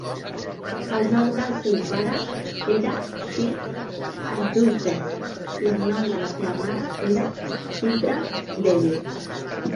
El nom del seu pare era Shri Ashudheer i el nom de la seva mare era Chitra Devi.